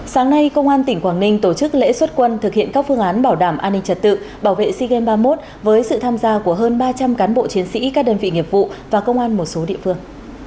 sáng nay công an tỉnh quảng ninh tổ chức lễ xuất quân thực hiện các phương án bảo đảm an ninh trật tự bảo vệ sea games ba mươi một với sự tham gia của hơn ba trăm linh cán bộ chiến sĩ các đơn vị nghiệp vụ và công an một số địa phương